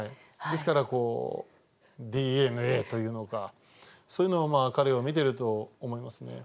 ですからＤＮＡというのかそういうのを彼を見てると思いますね。